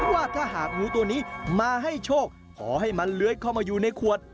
ว่าถ้าหากงูตัวนี้มาให้โชคขอให้มันเลื้อยเข้ามาอยู่ในขวด